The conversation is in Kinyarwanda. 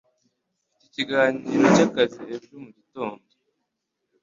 Mfite ikiganiro cyakazi ejo mugitondo.